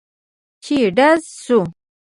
چې ډز سو.